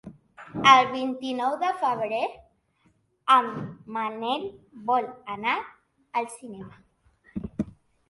El vint-i-nou de febrer en Manel vol anar al cinema.